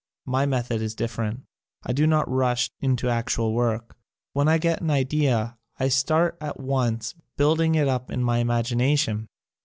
My method is different. I do not rush into actual work. When I get an idea I start at once building it up in my imagi nation.